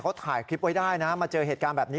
เขาถ่ายคลิปไว้ได้นะมาเจอเหตุการณ์แบบนี้